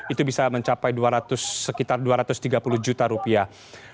itu bisa mencapai sekitar dua ratus tiga puluh juta rupiah